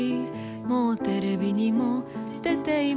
もうＴＶにも出ています